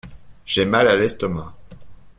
J’ai mal à l’estomac.